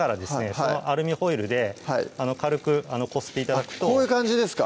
そのアルミホイルで軽くこすって頂くとあっこういう感じですか？